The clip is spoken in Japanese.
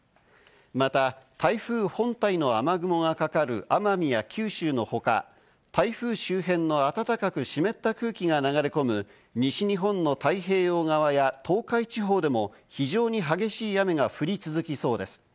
また台風本体の雨雲がかかる奄美や九州の他、台風周辺の暖かく、湿った空気が流れ込む西日本の太平洋側や、東海地方でも、非常に激しい雨が降り続きそうです。